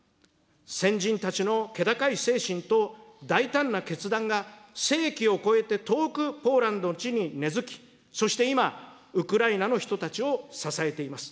先人たちの気高い精神と大胆な決断が世紀を超えて遠くポーランドの地に根づき、そして今、ウクライナの人たちを支えています。